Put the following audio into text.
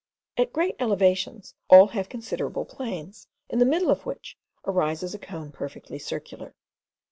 At great elevations all have considerable plains, in the middle of which arises a cone perfectly circular.